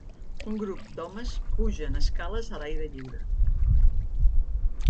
Un grup d'homes pugen escales a l'aire lliure